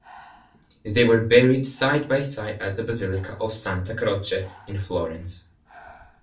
They were buried side by side at the Basilica of Santa Croce in Florence.